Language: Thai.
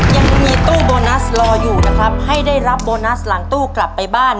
ยังมีตู้โบนัสรออยู่นะครับให้ได้รับโบนัสหลังตู้กลับไปบ้าน